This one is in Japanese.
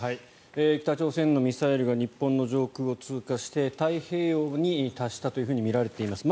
北朝鮮のミサイルが日本の上空を通過して太平洋に達したとみられています。